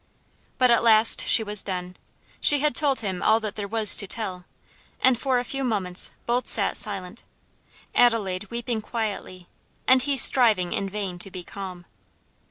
But at last she was done; she had told him all that there was to tell, and for a few moments both sat silent, Adelaide weeping quietly, and he striving in vain to be calm.